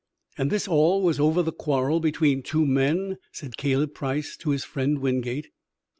"And this all was over the quarrel between two men," said Caleb Price to his friend Wingate.